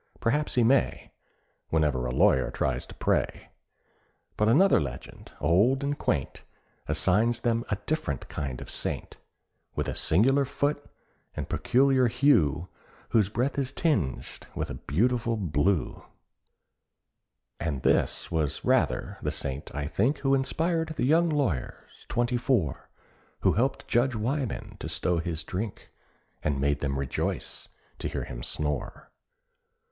perhaps he may— Whenever a lawyer tries to pray! But another legend, old and quaint, Assigns them a different kind of saint, With a singular foot and peculiar hue, Whose breath is tinged with a beautiful blue; And this was rather the saint, I think, Who inspired the young lawyers, twenty four, Who helped Judge Wyman to stow his drink, And made them rejoice to hear him snore.